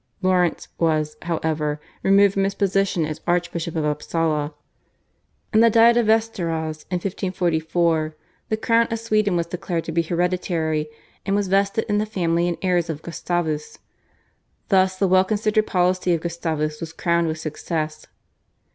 Laurence was, however, removed from his position as Archbishop of Upsala. In the Diet of Vesteras in 1544 the crown of Sweden was declared to be hereditary, and was vested in the family and heirs of Gustavus. Thus the well considered policy of Gustavus was crowned with success.